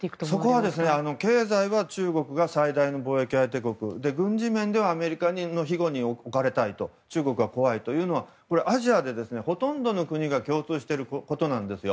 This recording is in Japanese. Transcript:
そこは経済は中国が最大の貿易相手国軍事面ではアメリカの庇護下に置かれたい中国は怖いというのはアジアでほとんどの国が共通していることなんですよ。